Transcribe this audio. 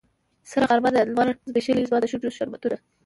سره غرمه ده لمر ځبیښلې زما د شونډو شربتونه